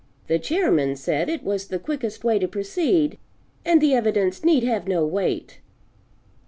The Chairman said it was the quickest way to proceed, and the evidence need have no weight.